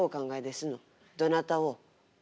どなたを？